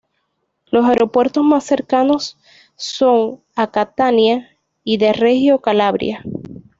Los aeropuertos más cercanos son a Catania y de Reggio Calabria.